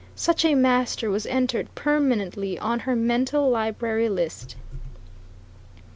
Such a master was entered permanently on her mental library list.